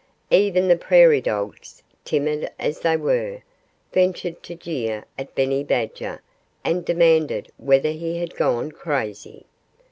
Even the prairie dogs timid as they were ventured to jeer at Benny Badger and demanded whether he had gone crazy.